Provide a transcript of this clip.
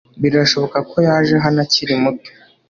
Birashoboka ko yaje hano akiri muto